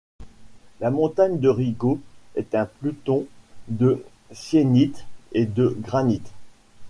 La montagne de Rigaud est un pluton de syénite et de granite.